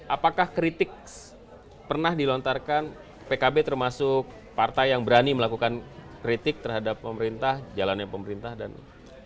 apakah kritik pernah dilontarkan pkb termasuk partai yang berani melakukan kritik terhadap pemerintah jalannya pemerintah dan